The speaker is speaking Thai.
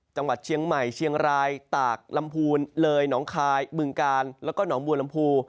จังหวัดเชียงใหม่เชียงรายตากลำพูนเลยหนองคายบึงกาลแล้วก็หนองบัวลำพู